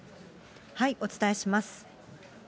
お伝えします。